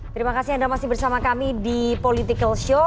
terima kasih anda masih bersama kami di political show